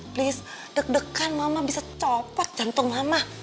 please deg degan mama bisa copot jantung mama